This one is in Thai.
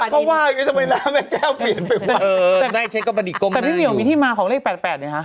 ก็ว่าอย่างงี้ทำไมนะแม่แก้วเปลี่ยนไปว่ะแต่พี่เบียวมีที่มาของเลข๘๘เนี่ยฮะ